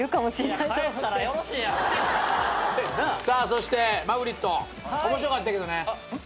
そしてマグリット面白かったけどね。